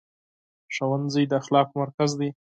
ښوونځی د اخلاقو مرکز دی.